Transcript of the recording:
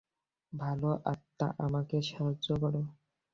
ভাল আত্মা আমাকে সাহায্য করো।